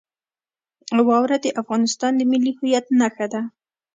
واوره د افغانستان د ملي هویت نښه ده.